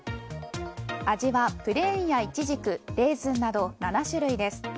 味はプレーンやいちじくレーズンなど７種類です。